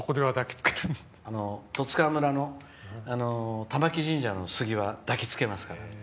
十津川村の玉置神社のは抱きつけます。